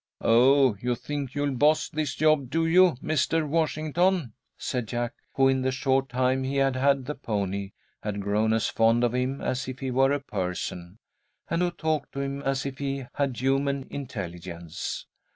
"Oh, you think you'll boss this job, do you, Mr. Washington?" said Jack, who, in the short time he had had the pony, had grown as fond of him as if he were a person, and who talked to him as if he had human intelligence.